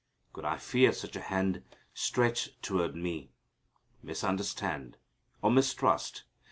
"Could I fear such a hand Stretched toward me? Misunderstand Or mistrust?